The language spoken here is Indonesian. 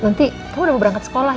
nanti kamu udah mau berangkat sekolah ya